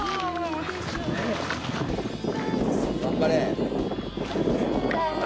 「頑張れ！」